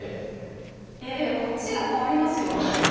いやいやこっちが困りますよ。